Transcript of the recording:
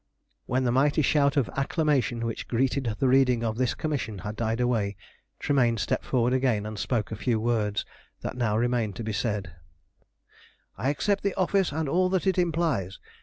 When the mighty shout of acclamation which greeted the reading of this commission had died away, Tremayne stepped forward again and spoke the few words that now remained to be said "I accept the office and all that it implies.